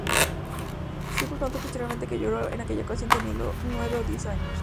Spitzer contó posteriormente que lloró en aquella ocasión, teniendo nueve o diez años.